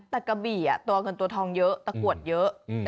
ในกระบี่อ่ะตัวเงินตัวทองเยอะตะกวดเยอะ